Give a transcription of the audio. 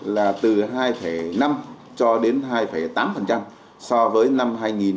là từ hai năm cho đến hai tám so với năm hai nghìn một mươi sáu